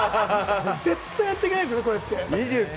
絶対やっちゃいけないんですよ、これ。